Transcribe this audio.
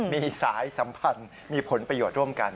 มีสายสัมพันธ์มีผลประโยชน์ร่วมกัน